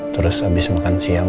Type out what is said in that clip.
terus abis makan siang